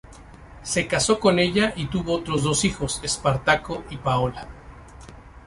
Se casó con ella y tuvo otros dos hijos: Espartaco y Paola.